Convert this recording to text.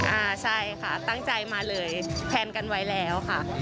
อ่าใช่ค่ะตั้งใจมาเลยแทนกันไว้แล้วค่ะ